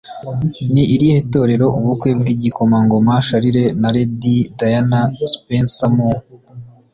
Ni irihe torero ubukwe bw'igikomangoma Charles na Lady Diana Spencer mu ?